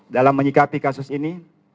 dalam menyikapi kasus ini